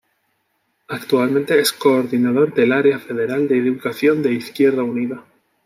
Actualmente es Coordinador del Área Federal de Educación de Izquierda Unida.